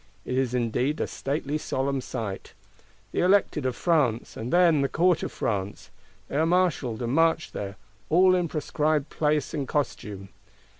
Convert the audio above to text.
It is indeed a stately, solemn sight. The Elected of France, and then the Court of France; they are marshalled and march there, all in prescribed place and costume.